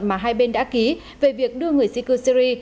mà hai bên đã ký về việc đưa người di cư syri